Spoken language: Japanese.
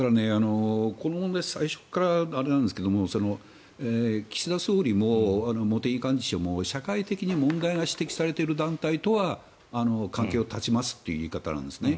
この問題は最初からあれなんですけど岸田総理も茂木幹事長も社会的に問題が指摘されている団体とは関係を断ちますという言い方なんですね。